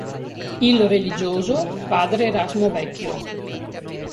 Il religioso Padre Erasmo Vecchio.